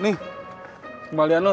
nih kembalian lo rp tiga